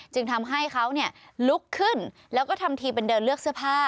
จึงทำให้เขาลุกขึ้นแล้วก็ทำทีเป็นเดินเลือกเสื้อผ้า